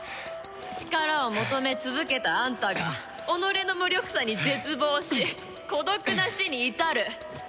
力を求め続けたあんたが己の無力さに絶望し孤独な死に至る。